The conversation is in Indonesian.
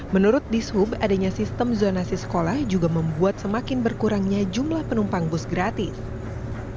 menurut dishub adanya sistem zonasi sekolah juga membuat semakin berkurangnya jumlah penumpang bus gratis